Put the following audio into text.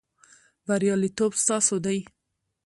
بریالیتوب ستاسو دی